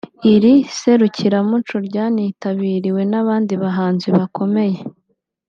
Iri serukiramuco ryanitabiriwe n’abandi bahanzi bakomeye